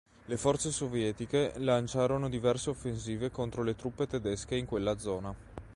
Le forze sovietiche lanciarono diverse offensive contro le truppe tedesche in quella zona.